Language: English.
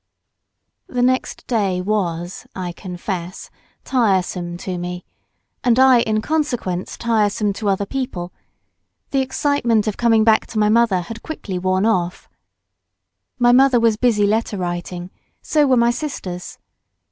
The next day was, I confess, tiresome to me, and I in consequence tiresome to other people; the excitement of coming back to my mother had quickly worn off. My mother was busy letter writing, so were my sisters.